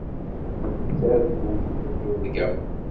Tettargum yir tirga.